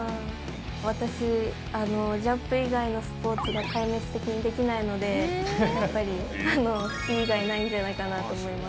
私、ジャンプ以外のスポーツが壊滅的にできないので、やっぱりスキー以外ないんじゃないかなと思います。